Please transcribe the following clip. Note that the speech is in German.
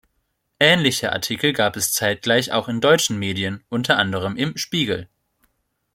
Ähnliche Artikel gab es zeitgleich auch in deutschen Medien, unter anderem im "Spiegel".